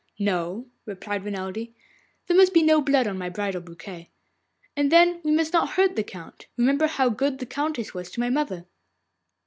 'No,' replied Renelde, 'there must be no blood on my bridal bouquet. And then we must not hurt the Count. Remember how good the Countess was to my mother.